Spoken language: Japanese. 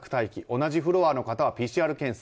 同じフロアの方はＰＣＲ検査。